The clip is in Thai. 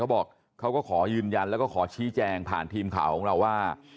บอกเขาก็ขอยืนยันแล้วก็ขอชี้แจงผ่านทีมข่าวของเราว่า